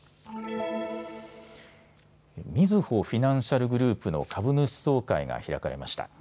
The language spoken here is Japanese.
みずほフィナンシャルグループの株主総会が開かれました。